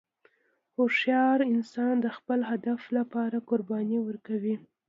هوښیار انسان د خپل هدف لپاره قرباني ورکوي.